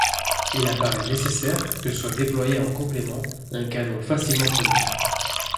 Il apparait nécessaire que soit déployé en complément un canon facilement produit.